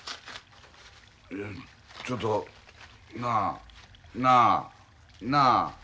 ちょっとなあなあなあ。